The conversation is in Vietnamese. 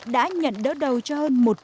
đã nhận đỡ đầu cho hơn